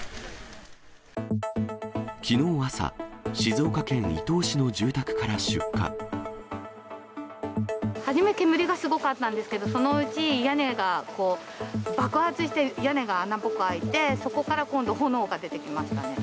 きのう朝、初め、煙がすごかったんですけど、そのうち、屋根が爆発して、屋根が穴ぼこ開いて、そこから今度、炎が出てきましたね。